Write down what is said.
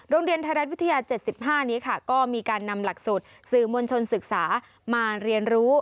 โรงเรียนไทยรัฐวิทยา๗๕นี้ค่ะก็มีการนำหลักสูตรสื่อมวลชนศึกษามาเรียนรู้